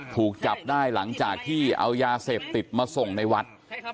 ถูกจับได้หลังจากที่เอายาเสพติดมาส่งในวัด